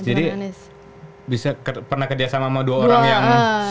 bisa pernah kerjasama sama dua orang yang